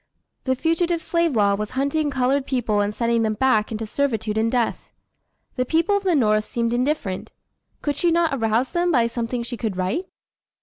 The Fugitive Slave Law was hunting colored people and sending them back into servitude and death. The people of the North seemed indifferent. Could she not arouse them by something she could write?